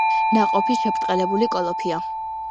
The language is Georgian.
ნაყოფი შებრტყელებული კოლოფია.